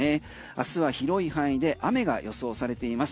明日は広い範囲で雨が予想されています。